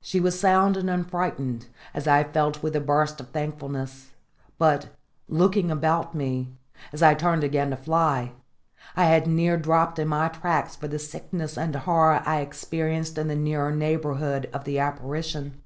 She was sound and unfrighted, as I felt with a burst of thankfulness; but, looking about me, as I turned again to fly, I had near dropped in my tracks for the sickness and horror I experienced in the nearer neighbourhood of the apparition.